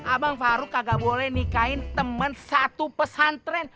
abang faruq kagak boleh nikahin teman satu pesantren